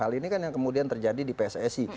hal ini kan yang kemudian terjadi di pssi